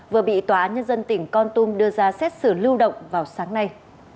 vừa bị tòa án nhân dân tỉnh con tum đưa ra xét xử lưu động vào sáng nay